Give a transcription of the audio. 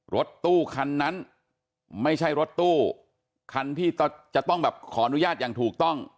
รถตู้คันนั้นไม่ใช่รถตู้คันที่จะต้องแบบขออนุญาตอย่างถูกต้อง